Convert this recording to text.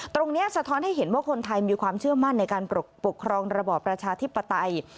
สะท้อนให้เห็นว่าคนไทยมีความเชื่อมั่นในการปกครองระบอบประชาธิปไตย